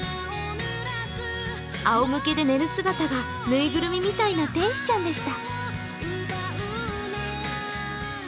あおむけで寝る姿が、ぬいぐるみみたいな天使ちゃんでした。